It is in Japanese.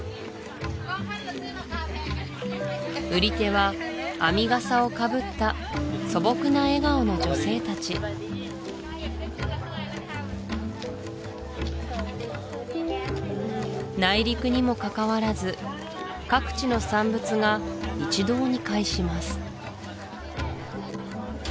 売り手は編みがさをかぶった素朴な笑顔の女性達内陸にもかかわらず各地の産物が一堂に会します